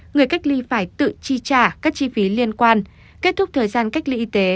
người cách ly phải tự chi trả các chi phí liên quan kết thúc thời gian cách ly y tế